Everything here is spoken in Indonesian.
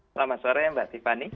selamat sore mbak tiffany